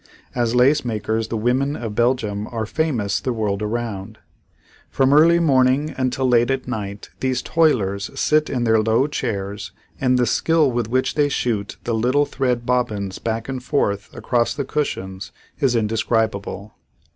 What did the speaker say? As lace makers the women of Belgium are famous the world around. From early morning until late at night these toilers sit in their low chairs and the skill with which they shoot the little thread bobbins back and forth across the cushions is indescribable.